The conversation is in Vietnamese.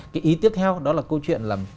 cái ý tiếp theo đó là câu chuyện là